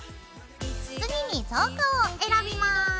次に造花を選びます。